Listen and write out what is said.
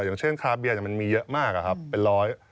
อย่างเช่นคราเบียมันมีเยอะมากอะครับเป็นร้อย